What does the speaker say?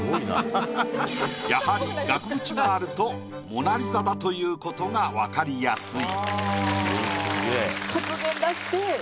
やはり額縁があるとモナ・リザだということが分かりやすい。